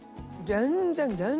全然。